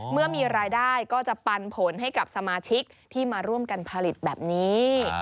เมื่อมีรายได้ก็จะปันผลให้กับสมาชิกที่มาร่วมกันผลิตแบบนี้